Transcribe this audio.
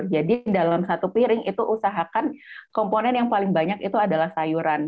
jadi dalam satu piring itu usahakan komponen yang paling banyak itu adalah sayuran